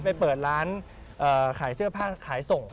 ไปเปิดร้านขายเสื้อผ้าขายส่ง